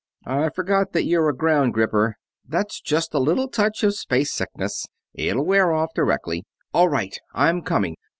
"I forgot that you're a ground gripper that's just a little touch of space sickness. It'll wear off directly.... All right, I'm coming!